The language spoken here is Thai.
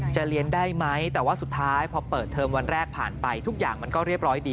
จะเลี้ยงได้ไหมแต่ว่าสุดท้ายพอเปิดเทอมวันแรกผ่านไปทุกอย่างมันก็เรียบร้อยดี